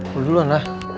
lu duluan lah